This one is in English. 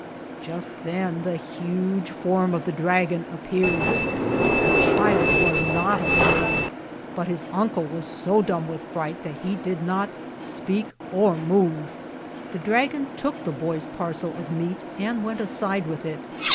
Just then the huge form of the dragon ap peared. The child was not afraid, but his uncle was so dumb with fright that he did not speak or move. The dragon took the boy's parcel of meat and went aside with it.